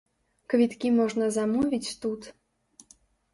Квіткі можна замовіць тут!